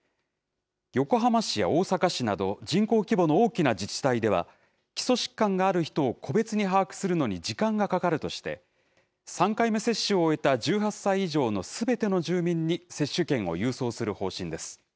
横浜市や大阪市など、人口規模の大きな自治体では、基礎疾患がある人を個別に把握するのに時間がかかるとして、３回目接種を終えた１８歳以上のすべての住民に接種券を郵送する方針です。